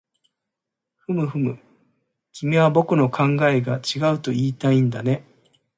ふむふむ、君は僕の考えが違うといいたいんだね